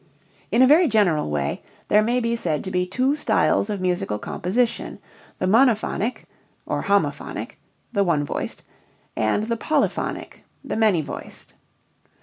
In a very general way there may be said to be two styles of musical composition, the monophonic (or homophonic) the one voiced and the polyphonic the many voiced.